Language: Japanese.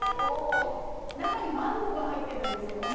中にマンゴーが入ってるんですよ。